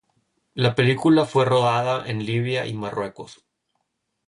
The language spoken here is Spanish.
La película fue rodada en Libia y Marruecos.